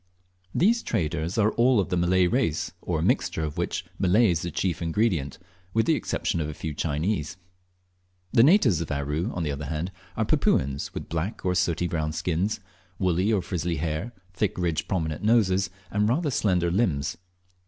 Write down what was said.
These traders are all of the Malay race, or a mixture of which Malay is the chef ingredient, with the exception of a few Chinese. The natives of Aru, on the other hand, are, Papuans, with black or sooty brown skims, woolly or frizzly hair, thick ridged prominent noses, and rather slender limbs.